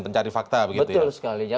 pencari fakta begitu ya